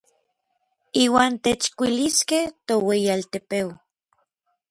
Iuan techkuiliskej toueyialtepeu.